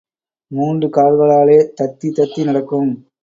மூன்று கால்களாலே தத்தி தத்தி நடக்கும்.